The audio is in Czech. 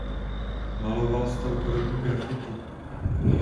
Maloval styl podobný graffiti.